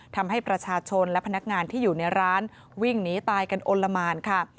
ทำให้ประชาชนและพนักงานที่อยู่ในร้านวิ่งหนีตายกันอลละหมานค่ะ